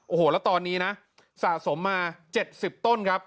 โอ้โหแล้วตอนนี้นะสะสมมา๗๐ต้นครับ